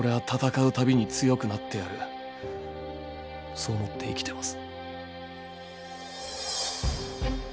そう思って生きてます。